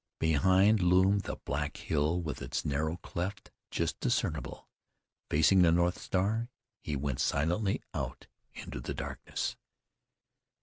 Behind loomed the black hill with its narrow cleft just discernible. Facing the north star, he went silently out into the darkness.